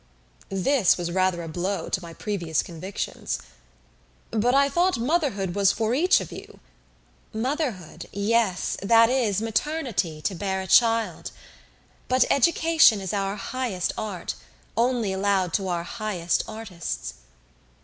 This was rather a blow to my previous convictions. "But I thought motherhood was for each of you " "Motherhood yes, that is, maternity, to bear a child. But education is our highest art, only allowed to our highest artists."